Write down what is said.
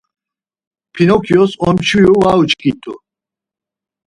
Pinokyos omçviru var uçkit̆u.